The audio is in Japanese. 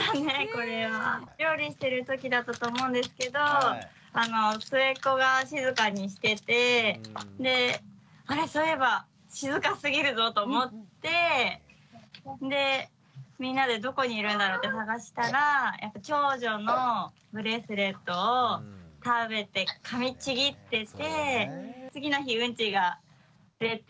これは。料理してるときだったと思うんですけど末っ子が静かにしててであれっそういえば静かすぎるぞと思ってでみんなでどこにいるんだろうって捜したら長女のブレスレットを食べてかみちぎってて。